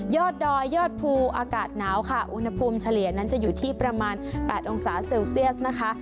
ยอดดอยยอดภูอากาศหนาวค่ะอุณหภูมิเฉลี่ยนั้นจะอยู่ที่ประมาณ๘องศาเซลเซียสนะคะ